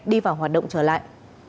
đi vào hoạt động trở lại